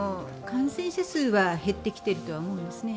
感染者数は減ってきているとは思うんですね。